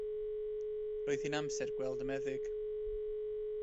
Roedd hi'n amser gweld y meddyg.